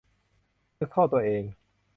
นึกโทษตัวเอง